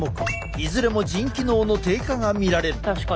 いずれも腎機能の低下が見られる。